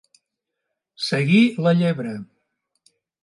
Seguir la llebre.